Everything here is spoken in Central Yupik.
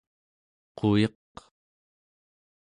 quyeq